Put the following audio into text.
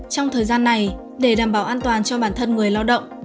trong thời gian này để đảm bảo an toàn cho bản thân người lao động